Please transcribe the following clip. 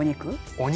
お肉。